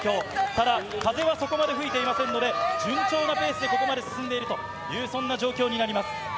ただ、風はそこまで吹いていませんので、順調なペースでここまで進んでいるという、そんな状況になります。